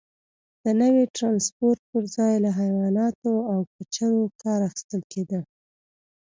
د نوي ټرانسپورت پرځای له حیواناتو او کچرو کار اخیستل کېده.